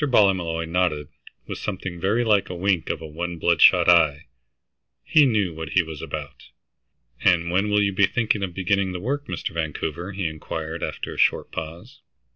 Ballymolloy nodded with something very like a wink of one bloodshot eye. He knew what he was about. "And when will you be thinking of beginning the work, Mr. Vancouver?" he inquired, after a short pause.